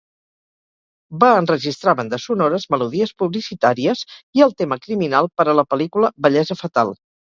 Va enregistrar bandes sonores, melodies publicitàries, i el tema "Criminal", per a la pel·lícula "Bellesa fatal".